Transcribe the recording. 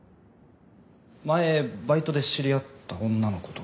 前バイトで知り合った女の子と。